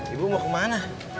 ibu mau ke mana